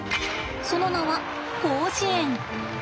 その名は甲子猿。